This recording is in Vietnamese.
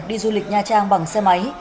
đi du lịch nha trang bằng xe máy